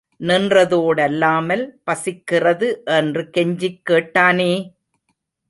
நின்றதோடல்லாமல் பசிக்கிறது என்று கெஞ்சிக்கேட்டானே!